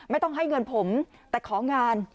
ไม่ต้องให้เงินผมแต่ของาน